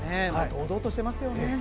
堂々としていますよね。